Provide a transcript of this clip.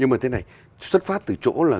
nhưng mà thế này xuất phát từ chỗ là